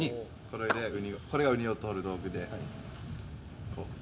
これがウニをとる道具で。